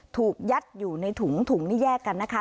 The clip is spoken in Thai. ถูกยัดอยู่ในถุงถุงนี้แยกกันนะคะ